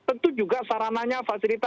tentu juga sarananya fasilitas